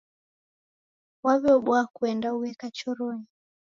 Waw'eobua kuenda ueka choronyi.